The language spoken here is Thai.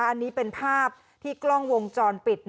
อันนี้เป็นภาพที่กล้องวงจรปิด